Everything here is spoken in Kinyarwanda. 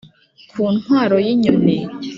ku ntwaro y'inyoni,